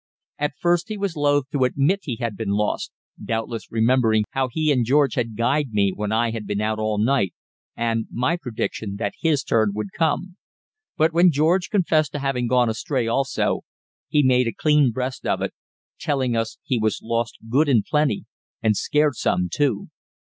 At first he was loath to admit he had been lost, doubtless remembering how he and George had "guyed" me when I had been out all night and my prediction that his turn would come; but when George confessed to having gone astray also, he made a clean breast of it, telling us he was "lost good and plenty, and scared some, too."